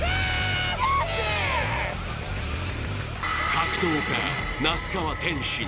格闘家那須川天心